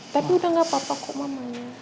tapi udah gak apa apa kok mamanya